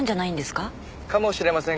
かもしれません